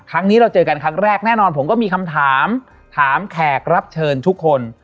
ครั้งนี้เราเจอกันครั้งแรกแน่นอนผมก็มีคำถามถามแขกรับเชิญทุกคน